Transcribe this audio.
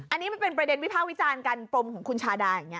อันนี้มันเป็นประเด็นวิภาควิจารณ์กันปรมของคุณชาดาอย่างนี้